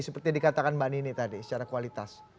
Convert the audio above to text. seperti dikatakan mbak nini tadi secara kualitas